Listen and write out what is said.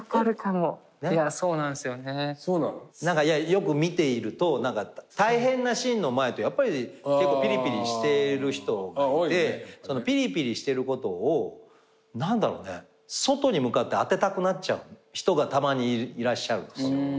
よく見ていると大変なシーンの前だとやっぱり結構ピリピリしている人がいてピリピリしてることを何だろうね外に向かって当てたくなっちゃう人がたまにいらっしゃるんですよ。